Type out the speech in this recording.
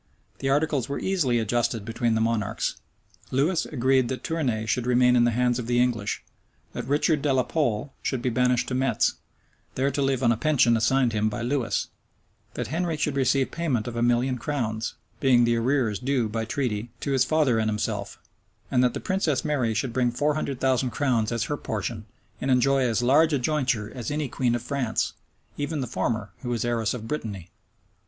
The articles were easily adjusted between the monarchs. Louis agreed that Tournay should remain in the hands of the English; that Richard de la Pole should be banished to Metz, there to live on a pension assigned him by Lewis; that Henry should receive payment of a million of crowns, being the arrears due by treaty to his father and himself; and that the princess Mary should bring four hundred thousand crowns as her portion, and enjoy as large a jointure as any queen of France, even the former, who was heiress of Brittany.